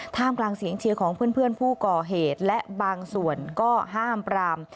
กลางเสียงเชียร์ของเพื่อนผู้ก่อเหตุและบางส่วนก็ห้ามปราม